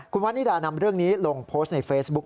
คุณวันนิดานำเรื่องนี้ลงโพสต์ในเฟซบุ๊ค